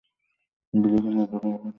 বিলি খেলাধুলায় ভালো।